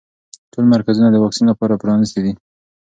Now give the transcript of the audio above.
ټول مرکزونه د واکسین لپاره پرانیستي دي.